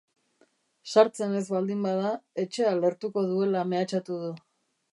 Sartzen ez baldin bada, etxea lehertuko duela mehatxatu du.